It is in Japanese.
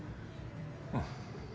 うん。